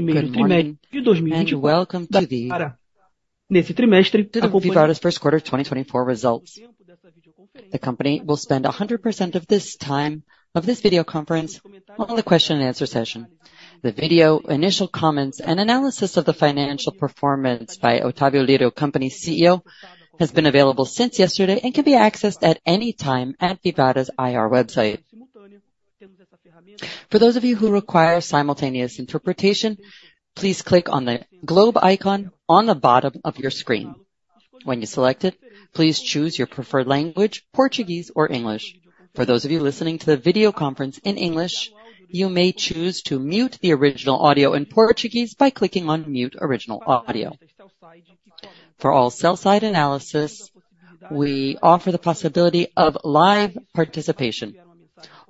Good. Morning and Welcome to the.to the conference for quarter 2024 results. The company will devote 100% of the time of this video conference on the question-and-answer session. The video "Initial Comments and Analysis of the Financial Performance by Otávio Lyra, Company CEO" has been available since yesterday and can be accessed at any time at Vivara's IR website. For those of you who require simultaneous interpretation, please click on the globe icon on the bottom of your screen. When you select it, please choose your preferred language, Portuguese or English. For those of you listening to the video conference in English, you may choose to mute the original audio in Portuguese by clicking on "Mute Original Audio." For all sell-side analysts, we offer the possibility of live participation.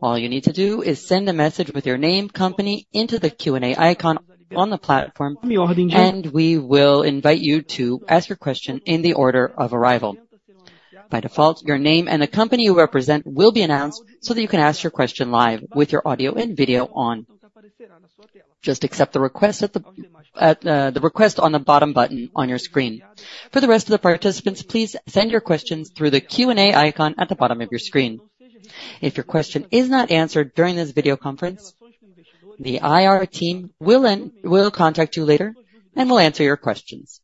All you need to do is send a message with your name, company, into the Q&A icon on the platform, and we will invite you to ask your question in the order of arrival. By default, your name and the company you represent will be announced so that you can ask your question live with your audio and video on. Just accept the request at the request on the bottom button on your screen. For the rest of the participants, please send your questions through the Q&A icon at the bottom of your screen. If your question is not answered during this video conference, the IR team will contact you later and will answer your questions.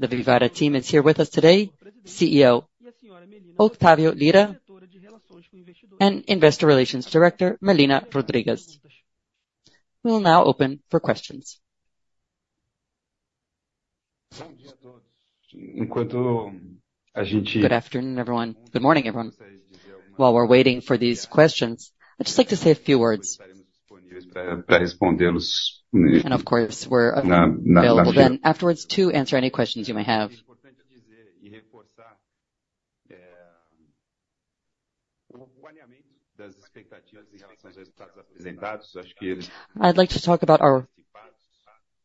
The Vivara team is here with us today, CEO Otávio Lyra and Investor Relations Director Melina Rodrigues. We'll now open for questions. Bom dia a todos. Enquanto a gente. Good afternoon, everyone. Good morning, everyone. While we're waiting for these questions, I'd just like to say a few words. Of course, we're available then afterwards to answer any questions you may have. I'd like to talk about our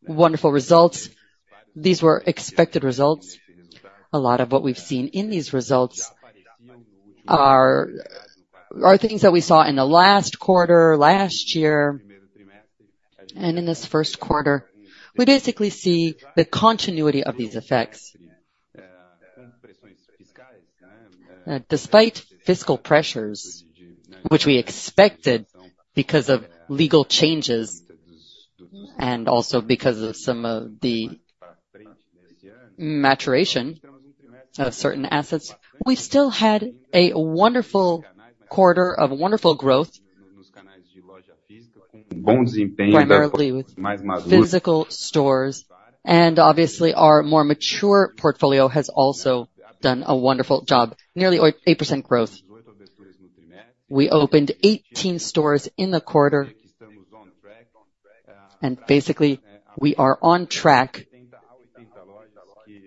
wonderful results. These were expected results. A lot of what we've seen in these results are things that we saw in the last quarter, last year, and in this first quarter. We basically see the continuity of these effects. Despite fiscal pressures, which we expected because of legal changes and also because of some of the maturation of certain assets, we've still had a wonderful quarter of wonderful growth. Primarily with physical stores, and obviously our more mature portfolio has also done a wonderful job, nearly 8% growth. We opened 18 stores in the quarter, and basically we are on track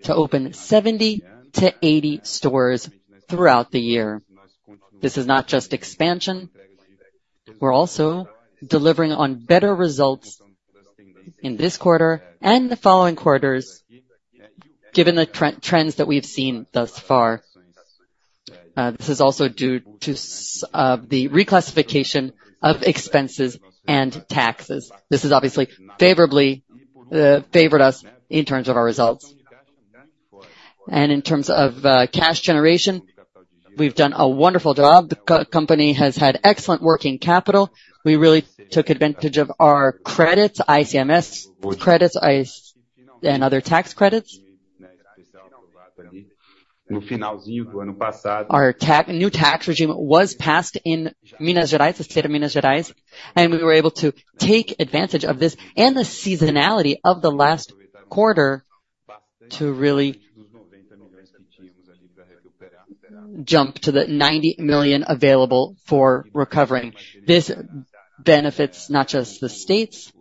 to open 70-80 stores throughout the year. This is not just expansion. We're also delivering on better results in this quarter and the following quarters given the trends that we've seen thus far. This is also due to the reclassification of expenses and taxes. This has obviously favored us in terms of our results. In terms of cash generation, we've done a wonderful job. The company has had excellent working capital. We really took advantage of our credits, ICMS credits and other tax credits. Our new tax regime was passed in Minas Gerais, the state of Minas Gerais, and we were able to take advantage of this and the seasonality of the last quarter to really jump to the 90 million available for recovering. This benefits not just the states.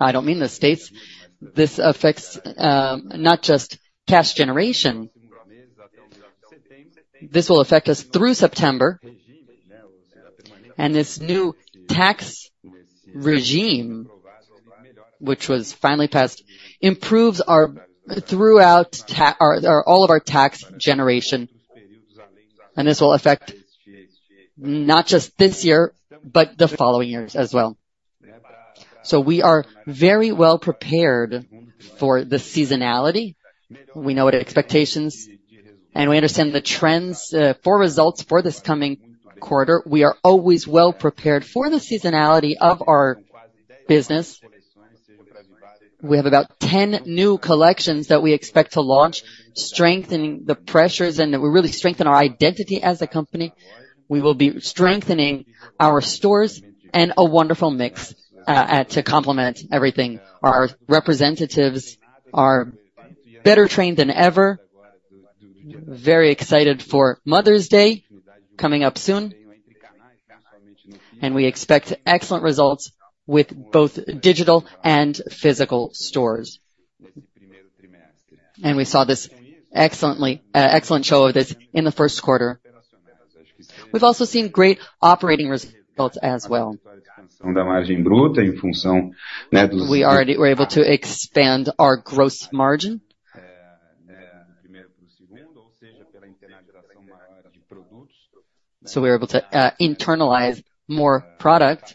I don't mean the states. This affects not just cash generation. This will affect us through September, and this new tax regime, which was finally passed, improves throughout all of our tax generation. This will affect not just this year, but the following years as well. We are very well prepared for the seasonality. We know what expectations, and we understand the trends for results for this coming quarter. We are always well prepared for the seasonality of our business. We have about 10 new collections that we expect to launch, strengthening the pressures and that we really strengthen our identity as a company. We will be strengthening our stores and a wonderful mix to complement everything. Our representatives are better trained than ever, very excited for Mother's Day coming up soon, and we expect excellent results with both digital and physical stores. We saw this excellent show of this in the first quarter. We've also seen great operating results as well. We were able to expand our gross margin. So we were able to internalize more product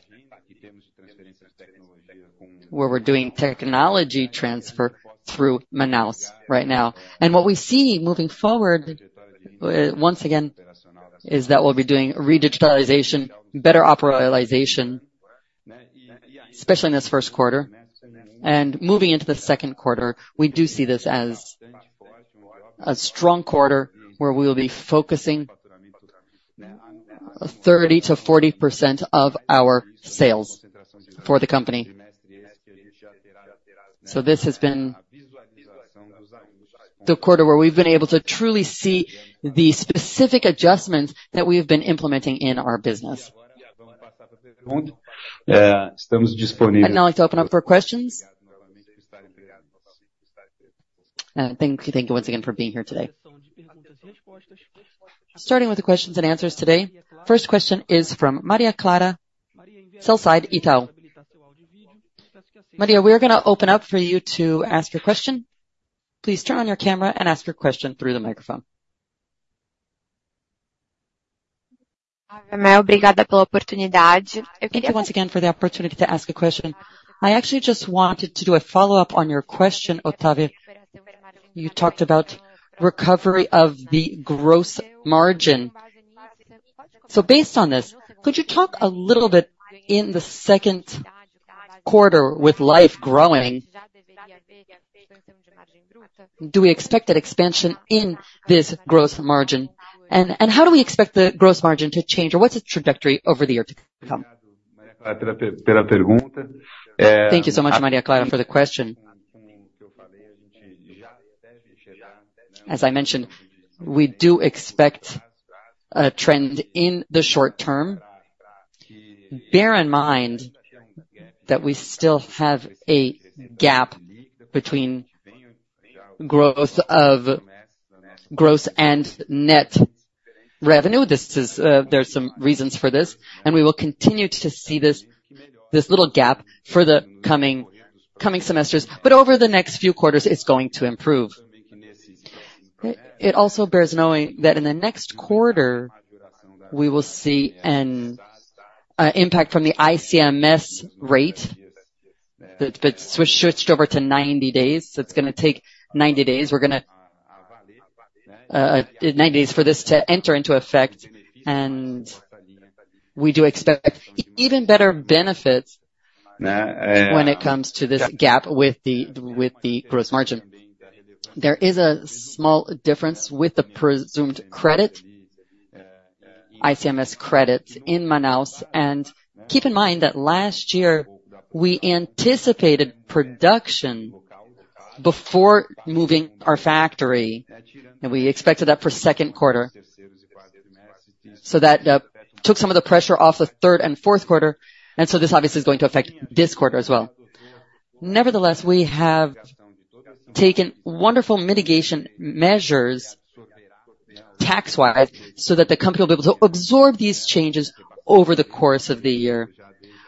where we're doing technology transfer through Manaus right now. And what we see moving forward, once again, is that we'll be doing redigitalization, better operationalization, especially in this first quarter. And moving into the second quarter, we do see this as a strong quarter where we will be focusing 30%-40% of our sales for the company. So this has been the quarter where we've been able to truly see the specific adjustments that we have been implementing in our business. And now I'd like to open up for questions. And thank you once again for being here today. Starting with the questions and answers today. First question is from Maria Clara, sell-side Itaú. Maria, we are going to open up for you to ask your question. Please turn on your camera and ask your question through the microphone. Thank you once again for the opportunity to ask a question. I actually just wanted to do a follow-up on your question, Otávio. You talked about recovery of the gross margin. So based on this, could you talk a little bit in the second quarter with Life growing? Do we expect that expansion in this gross margin, and how do we expect the gross margin to change, or what's its trajectory over the year to come? Thank you so much, Maria Clara, for the question. As I mentioned, we do expect a trend in the short term. Bear in mind that we still have a gap between growth of gross and net revenue. There are some reasons for this, and we will continue to see this little gap for the coming semesters. But over the next few quarters, it's going to improve. It also bears knowing that in the next quarter, we will see an impact from the ICMS rate that's switched over to 90 days. So it's going to take 90 days. We're going to 90 days for this to enter into effect, and we do expect even better benefits when it comes to this gap with the gross margin. There is a small difference with the presumed credit, ICMS credit in Manaus. Keep in mind that last year, we anticipated production before moving our factory, and we expected that for second quarter. So that took some of the pressure off the third and fourth quarter, and so this obviously is going to affect this quarter as well. Nevertheless, we have taken wonderful mitigation measures tax-wise so that the company will be able to absorb these changes over the course of the year.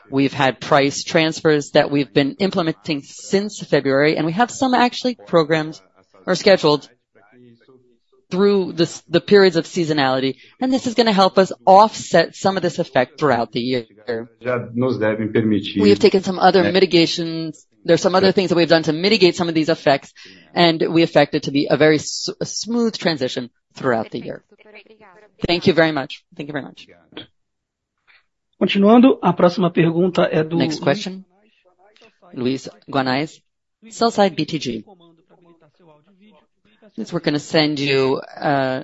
We've had price transfers that we've been implementing since February, and we have some actually programs or scheduled through the periods of seasonality, and this is going to help us offset some of this effect throughout the year. We have taken some other mitigations. There are some other things that we have done to mitigate some of these effects, and we expect it to be a very smooth transition throughout the year. Thank you very much. Thank you very much. Continuando, a próxima pergunta é do. Next question, Luiz Guanais, sell-side BTG. We're going to send you a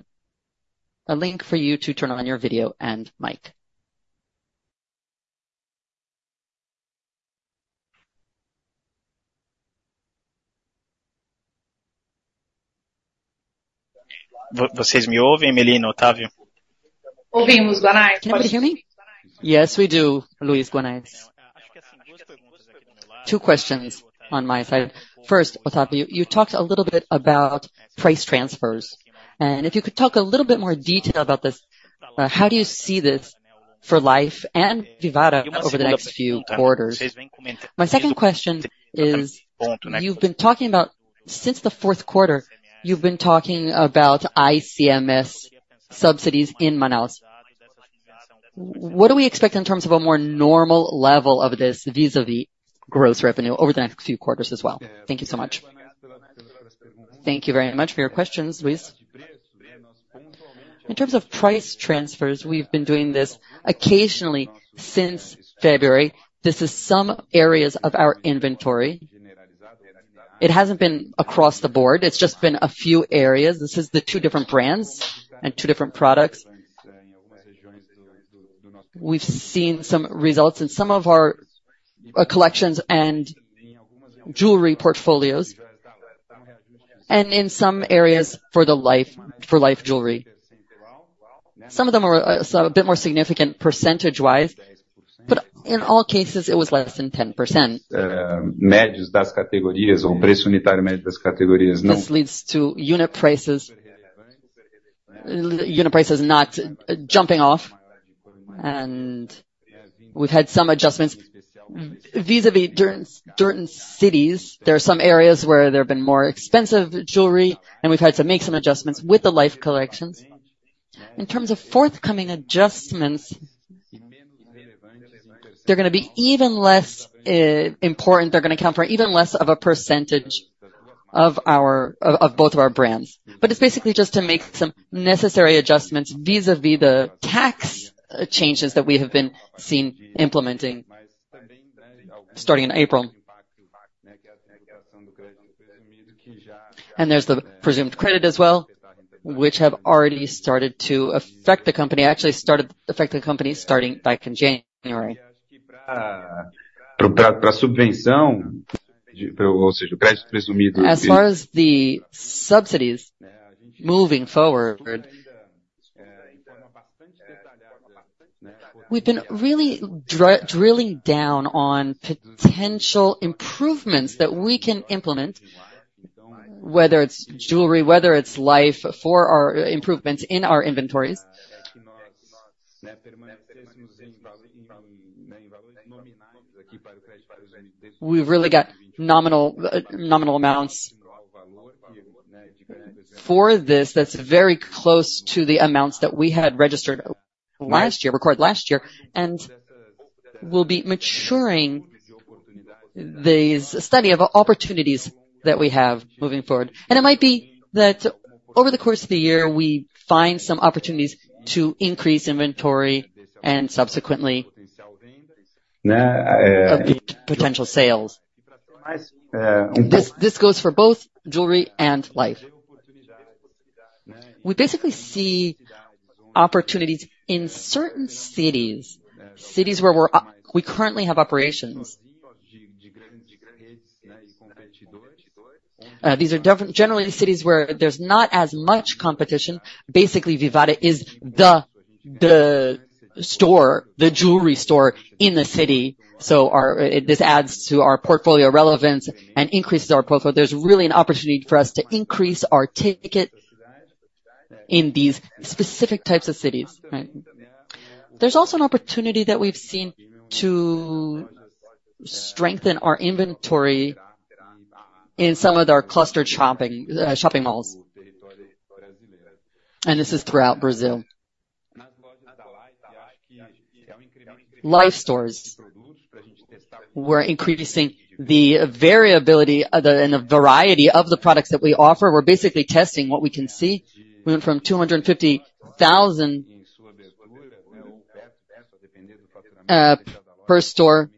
link for you to turn on your video and mic. Vocês me ouvem, Melina e Otávio? Ouvimos, Guanais. Can everybody hear me? Yes, we do, Luiz Guanais. Two questions on my side. First, Otávio, you talked a little bit about price transfers, and if you could talk a little bit more detail about this, how do you see this for life and Vivara over the next few quarters? My second question is, since the fourth quarter, you've been talking about ICMS subsidies in Manaus. What do we expect in terms of a more normal level of this vis-à-vis gross revenue over the next few quarters as well? Thank you so much. Thank you very much for your questions, Luiz. In terms of price transfers, we've been doing this occasionally since February. This is some areas of our inventory. It hasn't been across the board. It's just been a few areas. This is the two different brands and two different products. We've seen some results in some of our collections and jewelry portfolios, and in some areas for Life jewelry. Some of them are a bit more significant percentage-wise, but in all cases, it was less than 10%. This leads to unit prices not jumping off, and we've had some adjustments. Vis-à-vis downturn cities, there are some areas where there have been more expensive jewelry, and we've had to make some adjustments with the Life collections. In terms of forthcoming adjustments, they're going to be even less important. They're going to count for even less of a percentage of both of our brands. But it's basically just to make some necessary adjustments vis-à-vis the tax changes that we have been seeing implementing starting in April. And there's the presumed credit as well, which have already started to affect the company. It actually started to affect the company starting back in January. As far as the subsidies moving forward, we've been really drilling down on potential improvements that we can implement, whether it's jewelry, whether it's Life for our improvements in our inventories. We've really got nominal amounts for this that's very close to the amounts that we had recorded last year and will be maturing this study of opportunities that we have moving forward. It might be that over the course of the year, we find some opportunities to increase inventory and subsequently potential sales. This goes for both jewelry and Life. We basically see opportunities in certain cities, cities where we currently have operations. These are generally cities where there's not as much competition. Basically, Vivara is the store, the jewelry store in the city, so this adds to our portfolio relevance and increases our portfolio. There's really an opportunity for us to increase our ticket in these specific types of cities. There's also an opportunity that we've seen to strengthen our inventory in some of our clustered shopping malls. And this is throughout Brazil. Life stores, we're increasing the variability and the variety of the products that we offer. We're basically testing what we can see. We went from 250,000 per store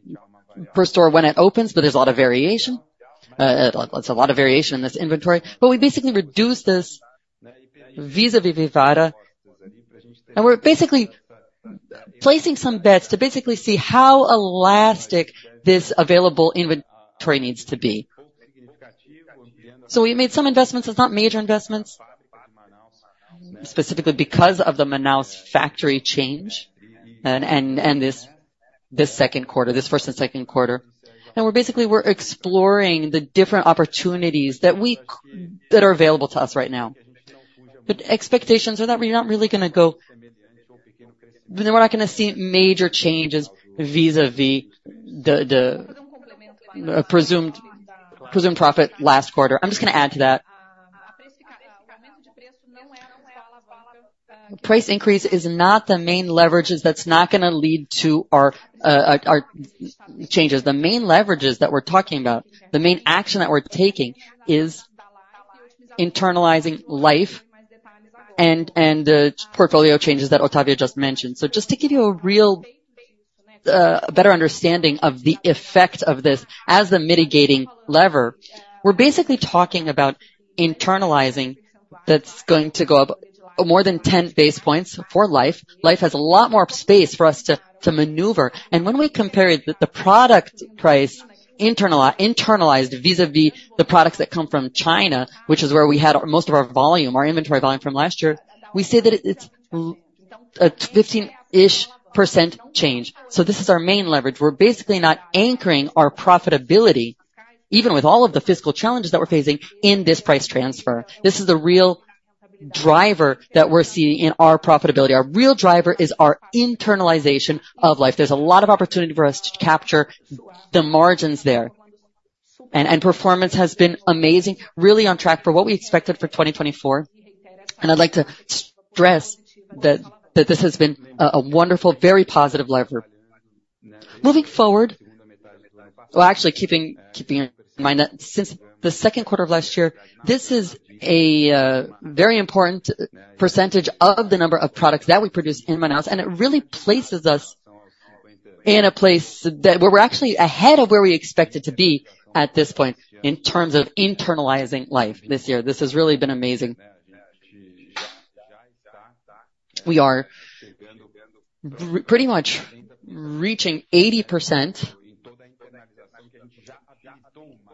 when it opens, but there's a lot of variation. There's a lot of variation in this inventory. But we basically reduced this vis-à-vis Vivara, and we're basically placing some bets to basically see how elastic this available inventory needs to be. So we made some investments. It's not major investments, specifically because of the Manaus factory change and this first and second quarter. And basically, we're exploring the different opportunities that are available to us right now. Expectations are that we're not really going to see major changes vis-à-vis the presumed credit last quarter. I'm just going to add to that. Price increase is not the main leverages. That's not going to lead to our changes. The main leverages that we're talking about, the main action that we're taking is internalizing Life and the portfolio changes thatOtávio just mentioned. So just to give you a better understanding of the effect of this as the mitigating lever, we're basically talking about internalizing. That's going to go up more than 10 basis points for Life. Life has a lot more space for us to maneuver. And when we compare the product price internalized vis-à-vis the products that come from China, which is where we had most of our volume, our inventory volume from last year, we see that it's a 15-ish% change. So this is our main leverage. We're basically not anchoring our profitability, even with all of the fiscal challenges that we're facing in this price transfer. This is the real driver that we're seeing in our profitability. Our real driver is our internalization of life. There's a lot of opportunity for us to capture the margins there, and performance has been amazing, really on track for what we expected for 2024. And I'd like to stress that this has been a wonderful, very positive lever. Moving forward, well, actually, keeping in mind that since the second quarter of last year, this is a very important percentage of the number of products that we produce in Manaus, and it really places us in a place where we're actually ahead of where we expected to be at this point in terms of internalizing Life this year. This has really been amazing. We are pretty much reaching 80%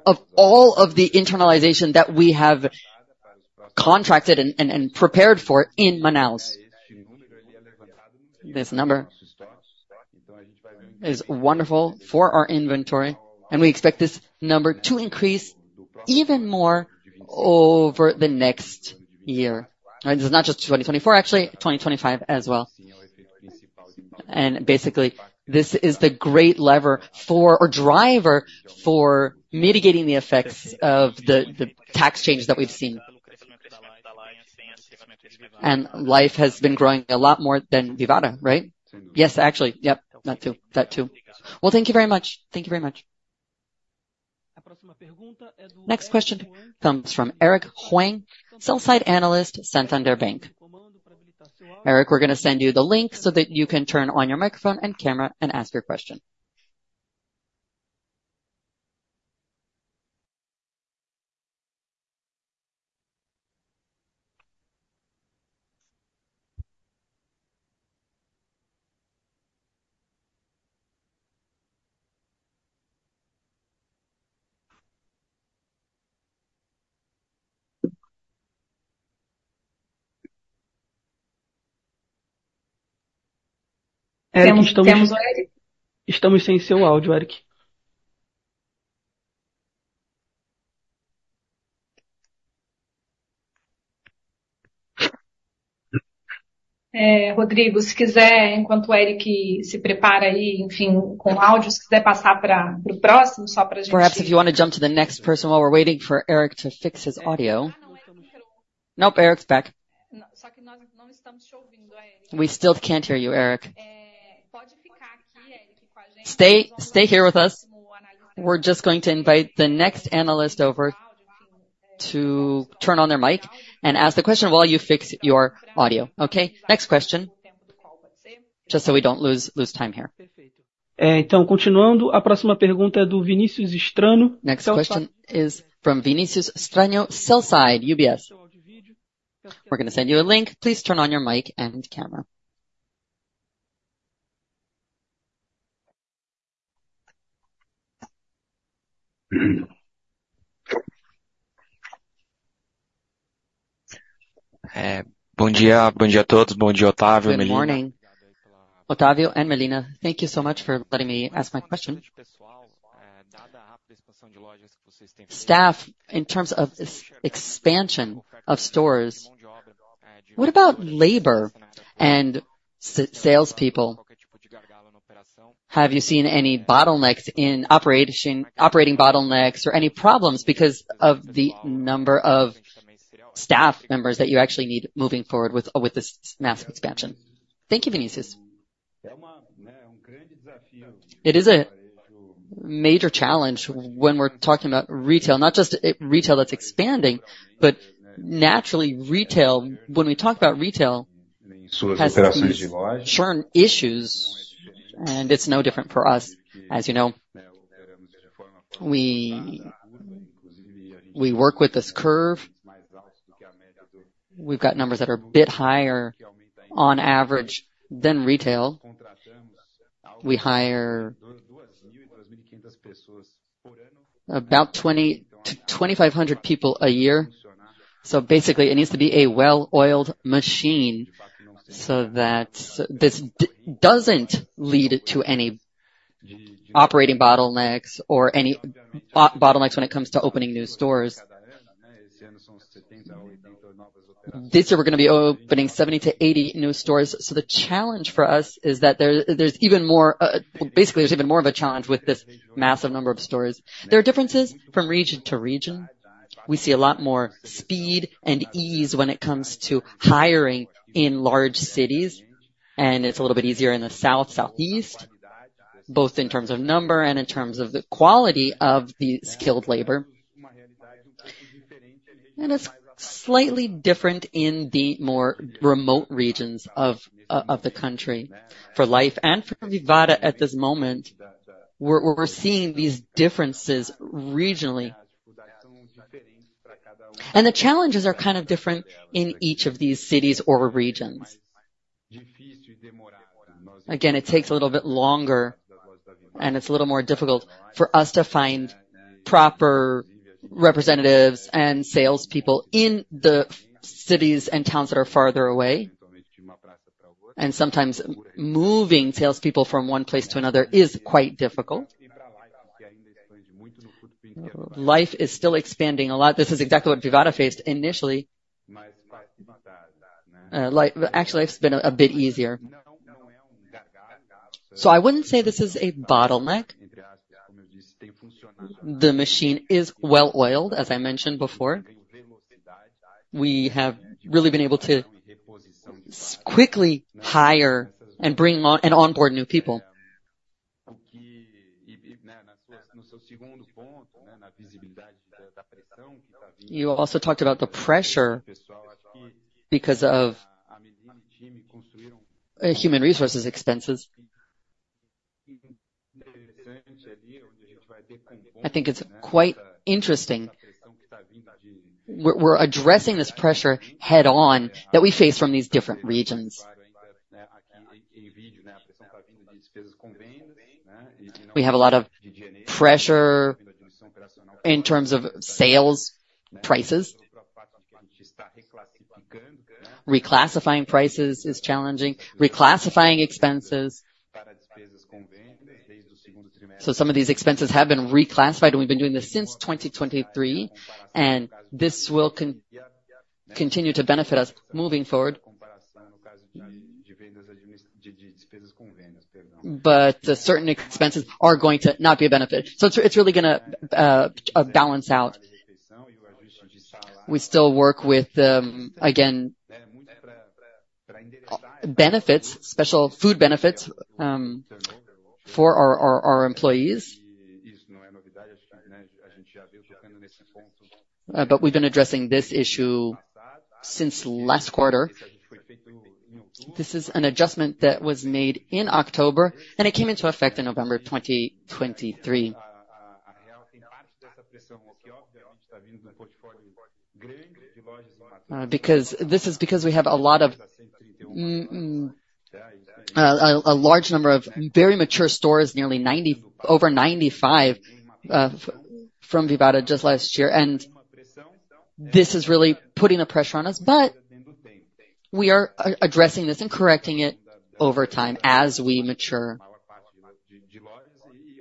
of all of the internalization that we have contracted and prepared for in Manaus. This number is wonderful for our inventory, and we expect this number to increase even more over the next year. This is not just 2024, actually, 2025 as well. And basically, this is the great lever or driver for mitigating the effects of the tax changes that we've seen. And Life has been growing a lot more than Vivara, right? Yes, actually. Yep, that too. That too. Well, thank you very much. Thank you very much. Next question comes from Eric Huang, sell-side analyst, Santander. Eric, we're going to send you the link so that you can turn on your microphone and camera and ask your question. Estamos sem seu áudio, Eric. Rodrigo, se quiser, enquanto o Eric se prepara aí, enfim, com o áudio, se quiser passar para o próximo só para a gente. Perhaps if you want to jump to the next person while we're waiting for Eric to fix his audio. Nope, Eric's back. Só que nós não estamos te ouvindo, Eric. We still can't hear you, Eric. Pode ficar aqui, Eric, com a gente. Stay here with us. We're just going to invite the next analyst over to turn on their mic and ask the question while you fix your audio, okay? Next question, just so we don't lose time here. Então, continuando, a próxima pergunta é do Vinícius Strano. Next question is from Vinícius Strano, sell-side, UBS. We're going to send you a link. Please turn on your mic and camera. Bom dia. Bom dia a todos. Bom dia, Otávio, Melina. Good morning, Otávio and Melina. Thank you so much for letting me ask my question. Staff, in terms of expansion of stores, what about labor and salespeople? Have you seen any bottlenecks in operating bottlenecks or any problems because of the number of staff members that you actually need moving forward with this massive expansion? Thank you, Vinícius. It is a major challenge when we're talking about retail, not just retail that's expanding, but naturally, retail, when we talk about retail, has churn issues, and it's no different for us. As you know, we work with this curve. We've got numbers that are a bit higher, on average, than retail. We hire about 2,500 people a year. So basically, it needs to be a well-oiled machine so that this doesn't lead to any operating bottlenecks or any bottlenecks when it comes to opening new stores. This year, we're going to be opening 70 new stores-80 new stores. So the challenge for us is that there's even more of a challenge with this massive number of stores. There are differences from region to region. We see a lot more speed and ease when it comes to hiring in large cities, and it's a little bit easier in the South, Southeast, both in terms of number and in terms of the quality of the skilled labor. It's slightly different in the more remote regions of the country. For Life and for Vivara at this moment, we're seeing these differences regionally. The challenges are kind of different in each of these cities or regions. Again, it takes a little bit longer, and it's a little more difficult for us to find proper representatives and salespeople in the cities and towns that are farther away. And sometimes moving salespeople from one place to another is quite difficult. Life is still expanding a lot. This is exactly what Vivara faced initially. Actually, Life's been a bit easier. So I wouldn't say this is a bottleneck. The machine is well-oiled, as I mentioned before. We have really been able to quickly hire and onboard new people. You also talked about the pressure because of human resources expenses. I think it's quite interesting. We're addressing this pressure head-on that we face from these different regions. We have a lot of pressure in terms of sales prices. So some of these expenses is challenging. Reclassifying expenses from the second quarter. So some of these expenses have been reclassified, and we've been doing this since 2023, and this will continue to benefit us moving forward. But certain expenses are going to not be a benefit. So it's really going to balance out. We still work with, again, benefits, special food benefits for our employees. But we've been addressing this issue since last quarter. This is an adjustment that was made in October, and it came into effect in November 2023. Because this is because we have a lot of a large number of very mature stores, over 95, from Vivara just last year. And this is really putting a pressure on us, but we are addressing this and correcting it over time as we mature.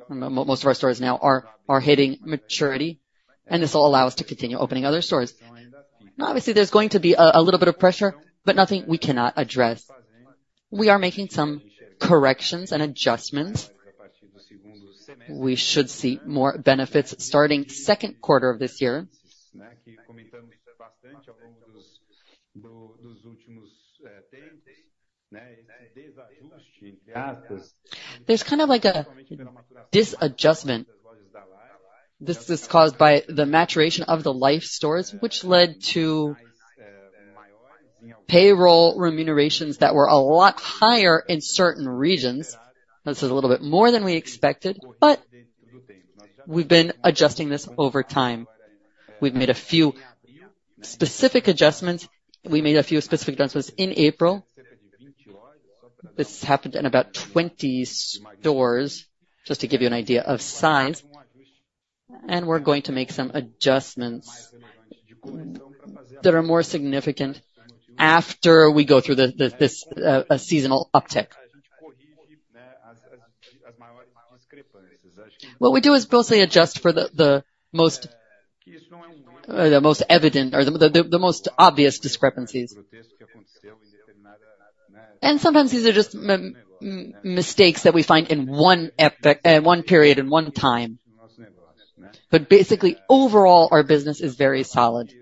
Most of our stores now are hitting maturity, and this will allow us to continue opening other stores. Now, obviously, there's going to be a little bit of pressure, but nothing we cannot address. We are making some corrections and adjustments. We should see more benefits starting second quarter of this year. There's kind of like a disadjustment. This is caused by the maturation of the Life stores, which led to payroll remunerations that were a lot higher in certain regions. This is a little bit more than we expected, but we've been adjusting this over time. We've made a few specific adjustments. We made a few specific adjustments in April. This happened in about 20 stores, just to give you an idea of size. And we're going to make some adjustments that are more significant after we go through this seasonal uptick. What we do is mostly adjust for the most evident or the most obvious discrepancies. And sometimes these are just mistakes that we find in one period, in one time. But basically, overall, our business is very solid.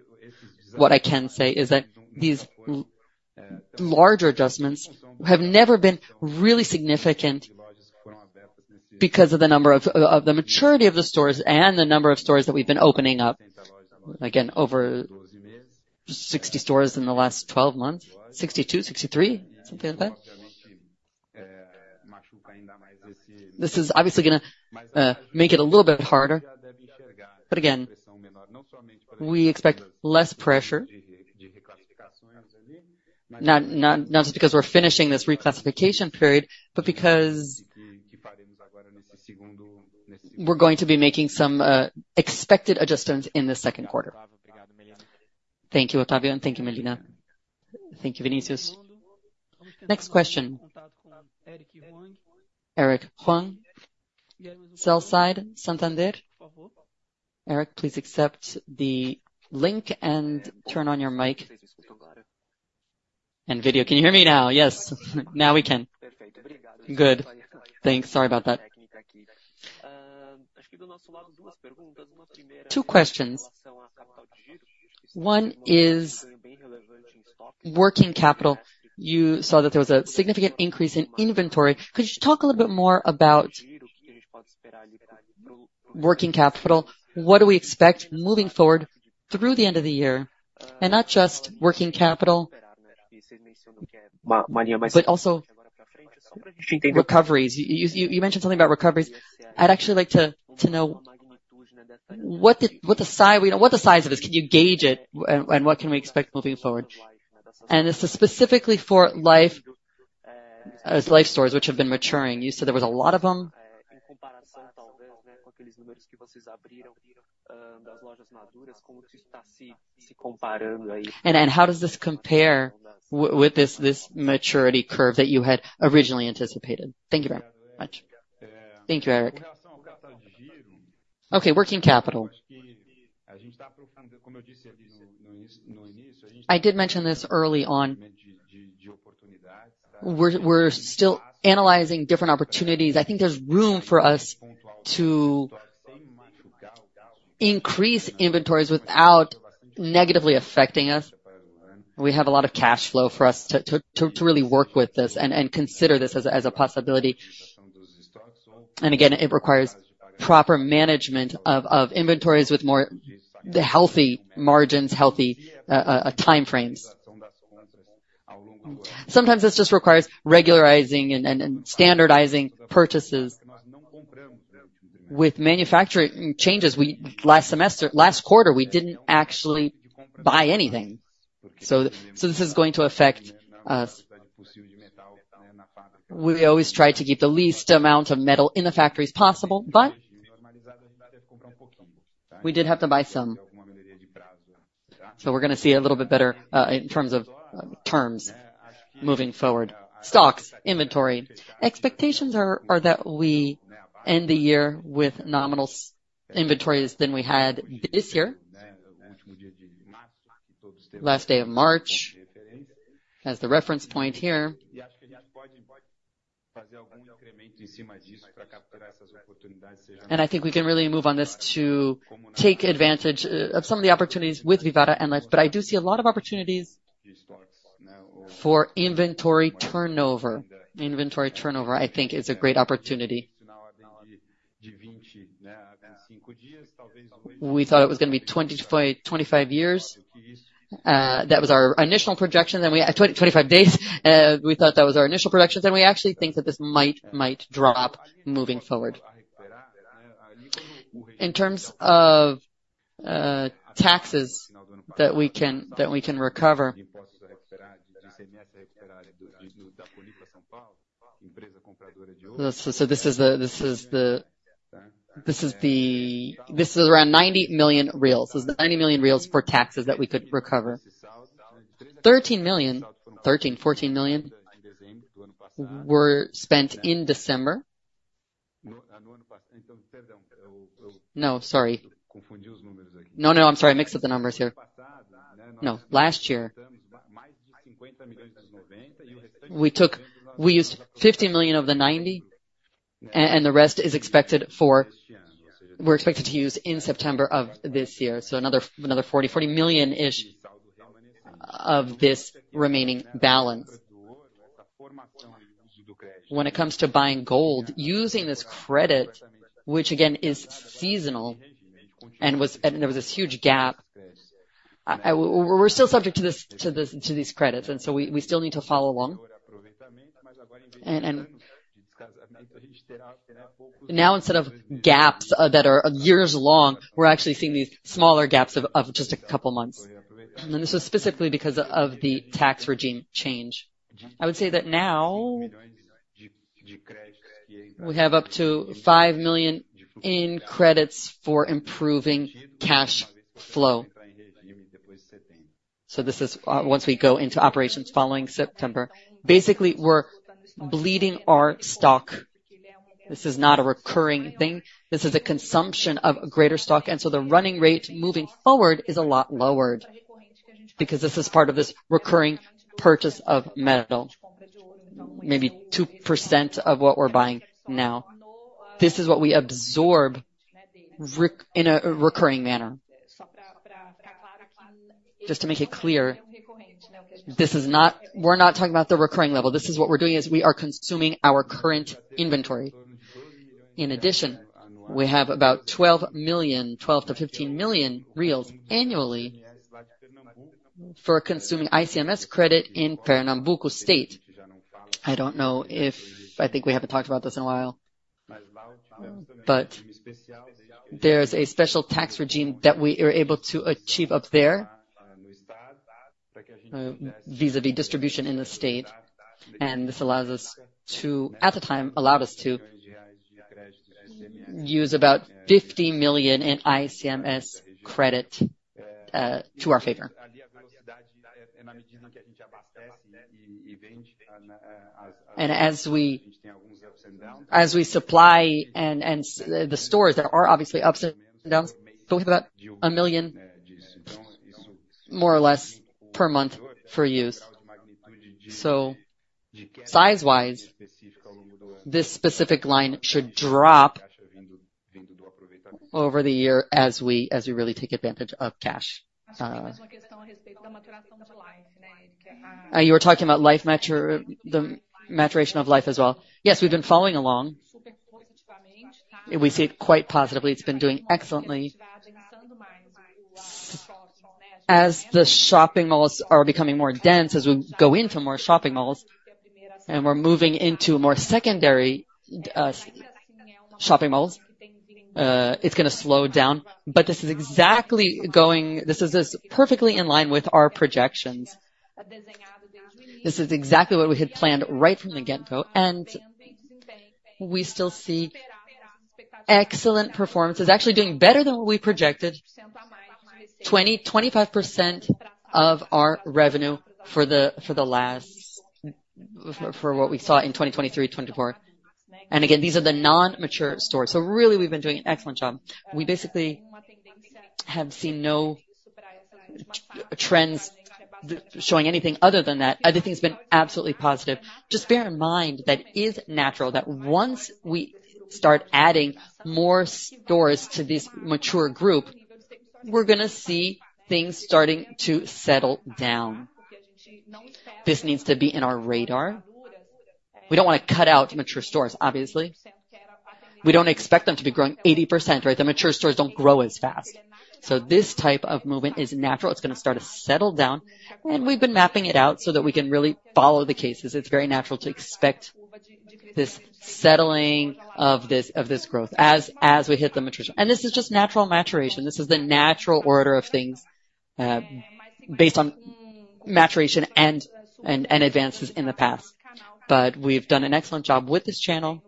What I can say is that these larger adjustments have never been really significant because of the number of the maturity of the stores and the number of stores that we've been opening up. Again, over 60 stores in the last 12 months, 62, 63, something like that. This is obviously going to make it a little bit harder. But again, we expect less pressure, not just because we're finishing this reclassification period, but because we're going to be making some expected adjustments in the second quarter. Thank you, Otávio, and thank you, Melina. Thank you, Vinícius. Next question. Eric Huang, sell-side, Santander. Eric, please accept the link and turn on your mic and video. Can you hear me now? Yes, now we can. Good. Thanks. Sorry about that. Two questions. One is working capital. You saw that there was a significant increase in inventory. Could you talk a little bit more about working capital? What do we expect moving forward through the end of the year, and not just working capital, but also recoveries? You mentioned something about recoveries. I'd actually like to know what the size of it is. Can you gauge it, and what can we expect moving forward? And this is specifically for Life stores, which have been maturing. You said there was a lot of them. And how does this compare with this maturity curve that you had originally anticipated? Thank you very much. Thank you, Eric. Okay, working capital. I did mention this early on. We're still analyzing different opportunities. I think there's room for us to increase inventories without negatively affecting us. We have a lot of cash flow for us to really work with this and consider this as a possibility. And again, it requires proper management of inventories with healthy margins, healthy timeframes. Sometimes this just requires regularizing and standardizing purchases. With manufacturing changes, last quarter, we didn't actually buy anything. So this is going to affect us. We always try to keep the least amount of metal in the factories possible, but we did have to buy some. So we're going to see a little bit better in terms of terms moving forward. Stocks, inventory. Expectations are that we end the year with nominal inventories than we had this year. Last day of March as the reference point here. And I think we can really move on this to take advantage of some of the opportunities with Vivara and Life. But I do see a lot of opportunities for inventory turnover. Inventory turnover, I think, is a great opportunity. We thought it was going to be 25 years. That was our initial projection. 25 days. We thought that was our initial projection. So we actually think that this might drop moving forward. In terms of taxes that we can recover. So this is around 90 million. This is 90 million for taxes that we could recover. 13 million, 13 million, 14 million were spent in December. No, sorry. No, no, I'm sorry. I mixed up the numbers here. No, last year, we used 50 million of the 90 million, and the rest is expected for we're expected to use in September of this year. So another 40 million, 40 million-ish of this remaining balance. When it comes to buying gold using this credit, which again is seasonal, and there was this huge gap. We're still subject to these credits, and so we still need to follow along. Now, instead of gaps that are years long, we're actually seeing these smaller gaps of just a couple of months. This was specifically because of the tax regime change. I would say that now we have up to 5 million in credits for improving cash flow. This is once we go into operations following September. Basically, we're bleeding our stock. This is not a recurring thing. This is a consumption of greater stock. The running rate moving forward is a lot lowered because this is part of this recurring purchase of metal. Maybe 2% of what we're buying now. This is what we absorb in a recurring manner. Just to make it clear, we're not talking about the recurring level. This is what we're doing is we are consuming our current inventory. In addition, we have about 12 million-15 million annually for consuming ICMS credit in Pernambuco. I don't know if I think we haven't talked about this in a while, but there's a special tax regime that we are able to achieve up there vis-à-vis distribution in the state. And this allows us to, at the time, allowed us to use about 50 million in ICMS credit to our favor. And as we supply and the stores, there are obviously ups and downs, but we have about 1 million more or less per month for use. So size-wise, this specific line should drop over the year as we really take advantage of cash. You were talking about the maturation of life as well. Yes, we've been following along. We see it quite positively. It's been doing excellently. As the shopping malls are becoming more dense, as we go into more shopping malls and we're moving into more secondary shopping malls, it's going to slow down. But this is exactly. This is perfectly in line with our projections. This is exactly what we had planned right from the get-go. And we still see excellent performances. Actually doing better than what we projected. 25% of our revenue for what we saw in 2023, 2024. And again, these are the non-mature stores. So really, we've been doing an excellent job. We basically have seen no trends showing anything other than that. Everything's been absolutely positive. Just bear in mind that it is natural that once we start adding more stores to this mature group, we're going to see things starting to settle down. This needs to be in our radar. We don't want to cut out mature stores, obviously. We don't expect them to be growing 80%, right? The mature stores don't grow as fast. So this type of movement is natural. It's going to start to settle down. And we've been mapping it out so that we can really follow the cases. It's very natural to expect this settling of this growth as we hit the mature store. And this is just natural maturation. This is the natural order of things based on maturation and advances in the past. But we've done an excellent job with this channel,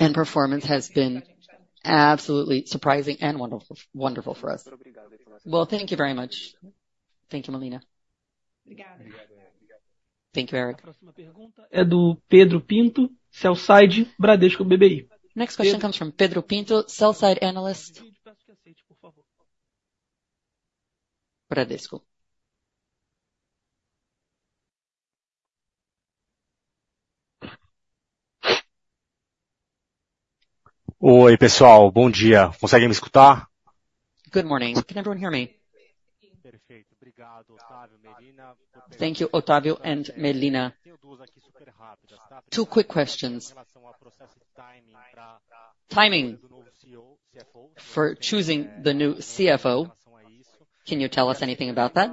and performance has been absolutely surprising and wonderful for us. Well, thank you very much. Thank you, Melina. Thank you, Eric. É do Pedro Pinto, sell-side, Bradesco BBI. Next question comes from Pedro Pinto, sell-side analyst. Bradesco. Oi, pessoal. Bom dia. Conseguem me escutar? Good morning. Can everyone hear me? Perfeito. Obrigado, Otávio, Melina. Thank you, Otávio and Melina. Tenho duas aqui super rápidas, tá? Two quick questions. Em relação ao processo de timing para o novo CFO. For choosing the new CFO. Can you tell us anything about that?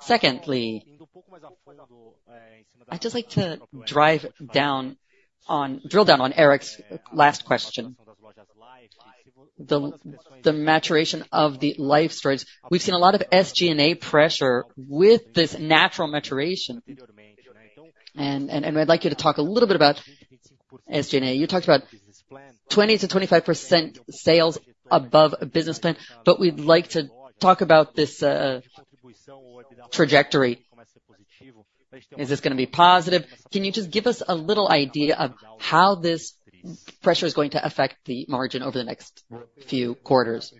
Secondly, I'd just like to drill down on Eric's last question. The maturation of the Life stores. We've seen a lot of SG&A pressure with this natural maturation. And we'd like you to talk a little bit about SG&A. You talked about 20%-25% sales above business plan, but we'd like to talk about this trajectory. Is this going to be positive? Can you just give us a little idea of how this pressure is going to affect the margin over the next few quarters?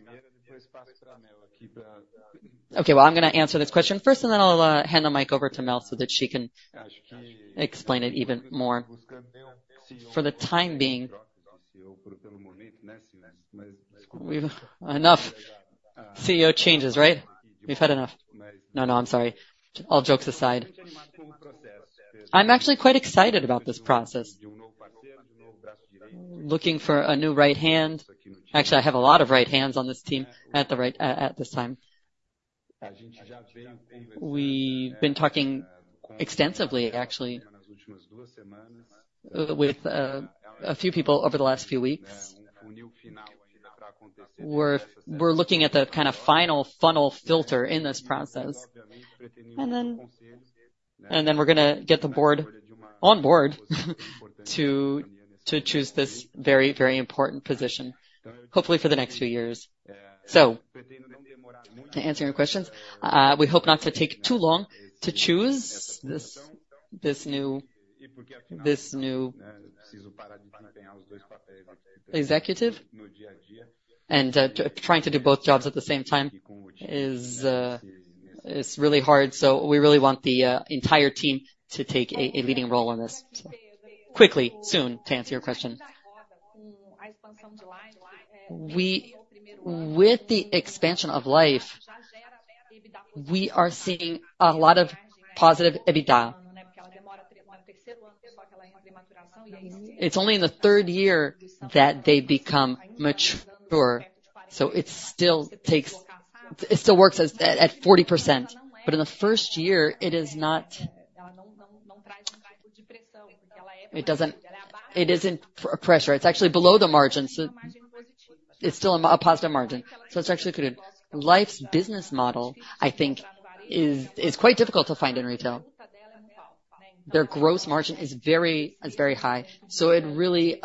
Okay, well, I'm going to answer this question first, and then I'll hand the mic over to Mel so that she can explain it even more. For the time being, enough CEO changes, right? We've had enough. No, no, I'm sorry. All jokes aside. I'm actually quite excited about this process. Looking for a new right hand. Actually, I have a lot of right hands on this team at this time. We've been talking extensively, actually, with a few people over the last few weeks. We're looking at the kind of final funnel filter in this process. And then we're going to get the board on board to choose this very, very important position, hopefully for the next few years. So, to answer your questions, we hope not to take too long to choose this new executive and trying to do both jobs at the same time is really hard. So we really want the entire team to take a leading role on this quickly, soon, to answer your question. With the expansion of Life, we are seeing a lot of positive é verdade. It's only in the third year that they become mature. So it still works at 40%. But in the first year, it is not it isn't pressure. It's actually below the margin. So it's still a positive margin. So it's actually good. Life's business model, I think, is quite difficult to find in retail. Their gross margin is very high. So it really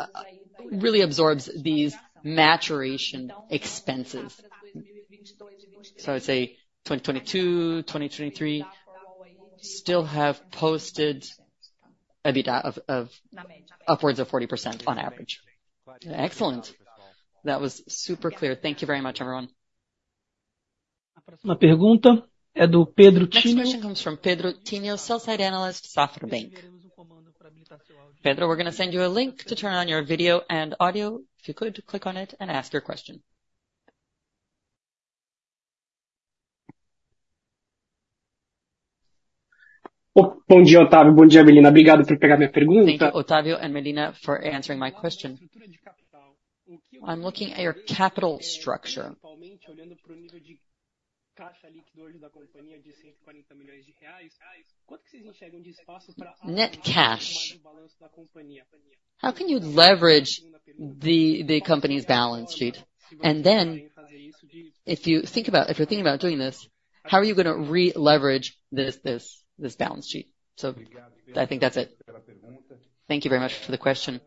absorbs these maturation expenses. So I'd say 2022, 2023 still have posted upwards of 40% on average. Excellent. That was super clear. Thank you very much, everyone. Uma pergunta é do Pedro Coutinho. Next question comes from Pedro Coutinho, sell-side analyst, Banco Safra. Pedro, we're going to send you a link to turn on your video and audio. If you could, click on it and ask your question. Bom dia, Otávio. Bom dia, Melina. Obrigado por pegar minha pergunta. Thank you, Otávio and Melina, for answering my question. I'm looking at your capital structure. Net cash is the company's balance of the company. How can you leverage the company's balance sheet? And then, if you're thinking about doing this, how are you going to re-leverage this balance sheet? So I think that's it. Thank you very much for the question.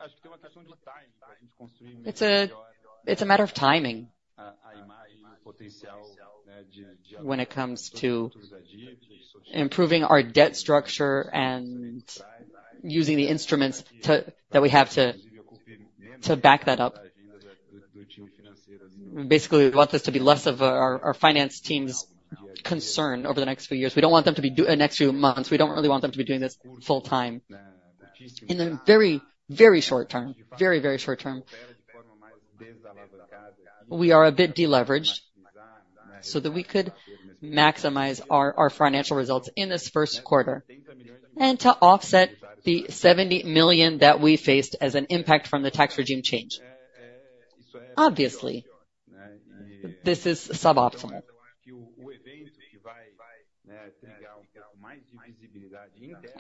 It's a matter of timing when it comes to improving our debt structure and using the instruments that we have to back that up. Basically, we want this to be less of our finance team's concern over the next few years. We don't want them to be doing the next few months. We don't really want them to be doing this full-time. In the very, very short term, very, very short term, we are a bit de-leveraged so that we could maximize our financial results in this first quarter and to offset the 70 million that we faced as an impact from the tax regime change. Obviously, this is suboptimal.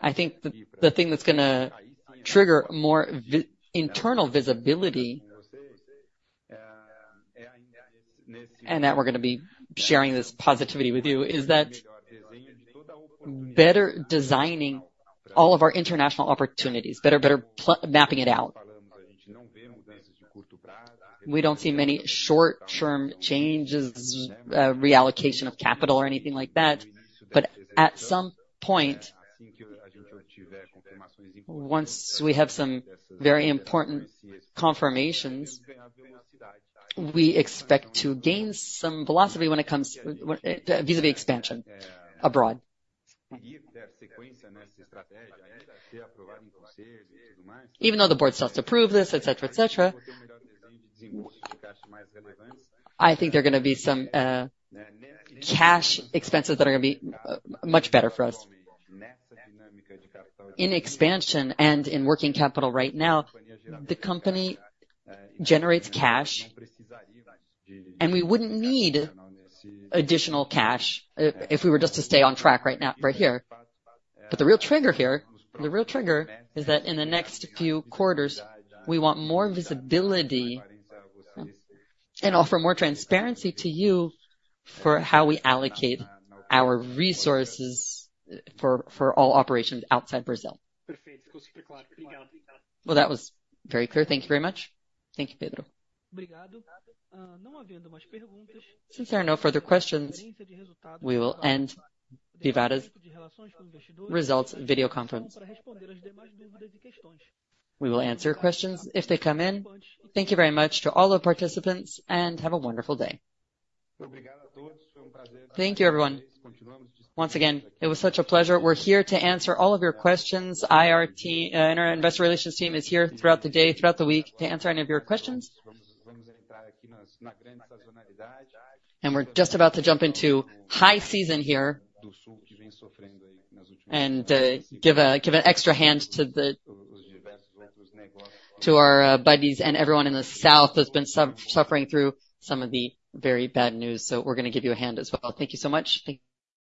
I think the thing that's going to trigger more internal visibility, and that we're going to be sharing this positivity with you, is that better designing all of our international opportunities, better mapping it out. We don't see many short-term changes, reallocation of capital, or anything like that. But at some point, once we have some very important confirmations, we expect to gain some velocity vis-à-vis expansion abroad. Even though the board has to approve this, etc., etc., I think there are going to be some cash expenses that are going to be much better for us in expansion and in working capital right now. The company generates cash, and we wouldn't need additional cash if we were just to stay on track right here. But the real trigger here, the real trigger is that in the next few quarters, we want more visibility and offer more transparency to you for how we allocate our resources for all operations outside Brazil. Well, that was very clear. Thank you very much. Thank you, Pedro. Sincero, não há mais perguntas. We will end Vivara's results video conference. We will answer questions if they come in. Thank you very much to all the participants, and have a wonderful day. Obrigado a todos. Foi prazer. Thank you, everyone. Once again, it was such a pleasure. We're here to answer all of your questions. Our investor relations team is here throughout the day, throughout the week, to answer any of your questions. And we're just about to jump into high season here. And give an extra hand to our buddies and everyone in the South that's been suffering through some of the very bad news. So we're going to give you a hand as well. Thank you so much.